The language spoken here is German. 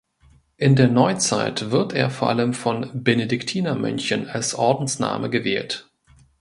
In der Neuzeit wird er vor allem von Benediktinermönchen als Ordensname gewählt.